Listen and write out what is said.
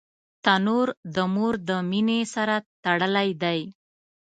تنور د مور د مینې سره تړلی دی